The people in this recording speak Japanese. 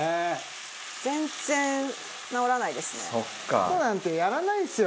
男なんてやらないですよ